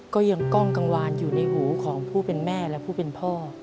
กล้องกังวานอยู่ในหูของผู้เป็นแม่และผู้เป็นพ่อ